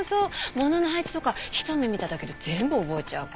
物の配置とか一目見ただけで全部覚えちゃう子。